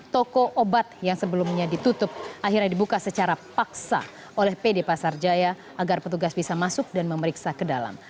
toko obat yang sebelumnya ditutup akhirnya dibuka secara paksa oleh pd pasar jaya agar petugas bisa masuk dan memeriksa ke dalam